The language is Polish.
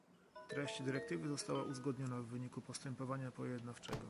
Treść dyrektywy została uzgodniona w wyniku postępowania pojednawczego